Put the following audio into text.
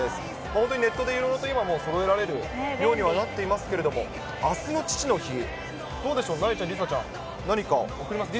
本当にネットでいろいろと今、そろえられるようにはなっていますけれども、あすの父の日、どうでしょう、なえちゃん、梨紗ちゃん、何か。